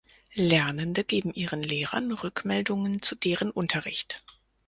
Lernende geben ihren Lehrern Rückmeldungen zu deren Unterricht.